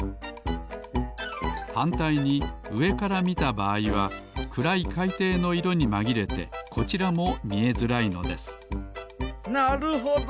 はんたいにうえからみたばあいはくらいかいていの色にまぎれてこちらもみえづらいのですなるほど！